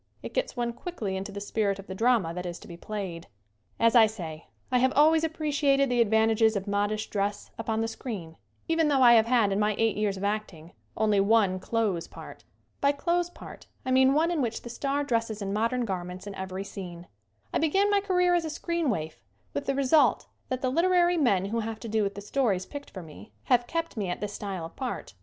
It gets one quickly into the spirit of the drama that is to be played. 70 SCREEN ACTING As I say, I have always appreciated the ad vantages of modish dress upon the screen even though I have had in my eight years of acting only one "clothes" part. By clothes part I mean one in which the star dresses in modern garments in every scene. I began my career as a screen waif with the result that the liter ary men who have to do with the stories picked for me, have kept me at this style of part.